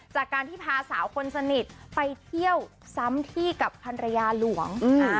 จากการที่พาสาวคนสนิทไปเที่ยวซ้ำที่กับพันรยาหลวง